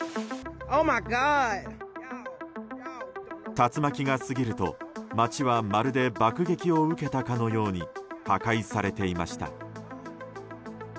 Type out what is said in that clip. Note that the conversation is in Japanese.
竜巻が過ぎると、街はまるで爆撃を受けたかのように破壊されていました。